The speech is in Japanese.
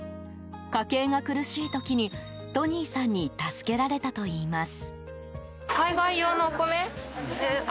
家計が苦しい時にトニーさんに助けられたといいます。